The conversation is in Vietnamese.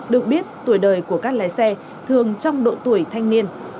được biết tuổi đời của các lái xe thường trong độ tuổi thanh niên